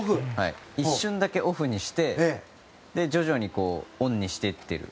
一瞬だけオフにして徐々にオンにしていっている。